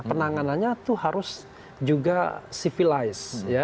penanganannya itu harus juga civilized